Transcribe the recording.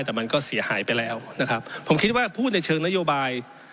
แต่มันก็เสียหายไปแล้วนะครับผมคิดว่าพูดในเชิงนโยบาย